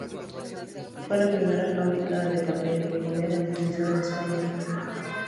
Fue la primera fábrica de papel-moneda utilizada en España.